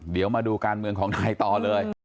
เดี๋ยวมาดูการเมืองของไทยต่อเลย